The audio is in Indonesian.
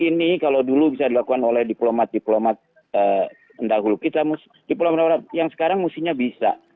ini kalau dulu bisa dilakukan oleh diplomat diplomat yang sekarang musinya bisa